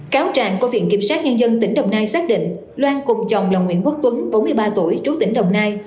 cáo trạng của viện kiểm sát nhân dân tỉnh đồng nai xác định loan cùng chồng là nguyễn quốc tuấn bốn mươi ba tuổi trú tỉnh đồng nai